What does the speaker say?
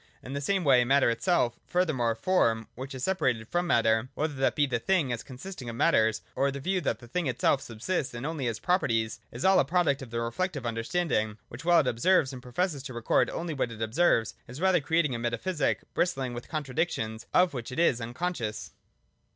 In the same way matter itself, — furthermore form which is separated from matter, — whether that be the thing as consisting of matters, or the view that the thing itself subsists and only has proper ties, — is all a product of the reflective understanding which, while it observes and professes to record only what it observes, is rather creating a metaphysic, brist ling with contradictions of which it is unconscious.